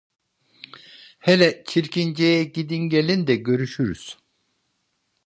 Hele Çirkince'ye gidin gelin de, görüşürüz.